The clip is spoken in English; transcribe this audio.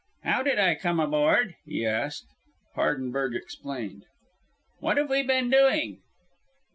"How did I come aboard?" he asked. Hardenberg explained. "What have we been doing?"